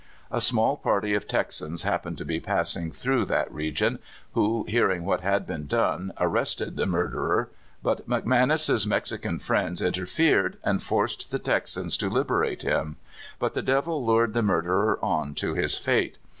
A small party of Texans happened to be passing through that region, who, hearing what had been done, arrested the murderer; but McManus's Mexican friends interfered, and forced the Texans to liberate him. But the devil lured the murderer on to his fate.